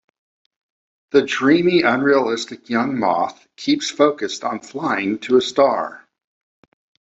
The dreamy, unrealistic young moth keeps focused on flying to a star.